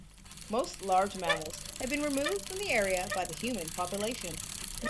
Most large mammals have been removed from the area by the human population.